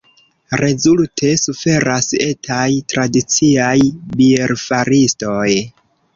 Rezulte suferas etaj, tradiciaj bierfaristoj.